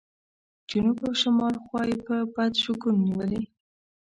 جنوب او شمال خوا یې په بد شګون نیولې.